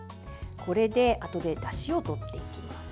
これで、あとでだしをとっていきます。